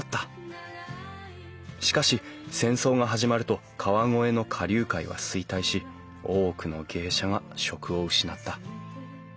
しかし戦争が始まると川越の花柳界は衰退し多くの芸者が職を失った。